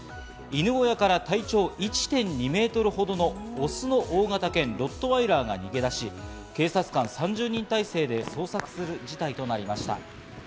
犬小屋から体長１．２メートルほどのオスの大型犬、ロットワイラーが逃げ出し、警察官３０人態勢で捜索する事態となりました。